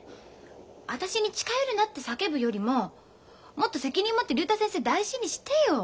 私に近寄るなって叫ぶよりももっと責任持って竜太先生大事にしてよ。